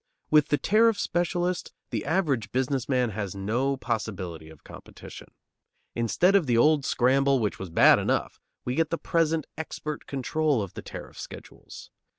With the tariff specialist the average business man has no possibility of competition. Instead of the old scramble, which was bad enough, we get the present expert control of the tariff schedules.